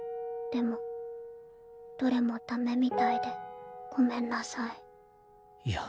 でもどれもダメみたいでごめんなさい。